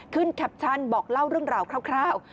แคปชั่นบอกเล่าเรื่องราวคร่าว